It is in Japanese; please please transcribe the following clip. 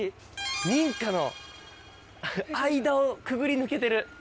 民家の間をくぐり抜けてる。